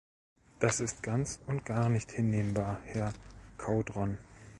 Das ist ganz und gar nicht hinnehmbar, Herr Caudron.